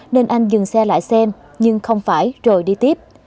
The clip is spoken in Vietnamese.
nên anh dừng xe lại xem nhưng không phải rồi đi tiếp